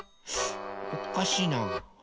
おかしいな。